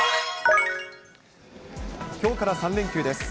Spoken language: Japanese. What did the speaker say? きょうから３連休です。